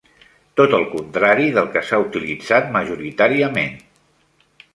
Tot el contrari del que s'ha utilitzat majoritàriament.